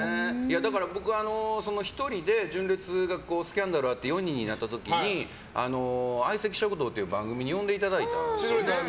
だから僕、１人で純烈がスキャンダルあって４人になった時に「相席食堂」という番組に呼んでいただいたんです。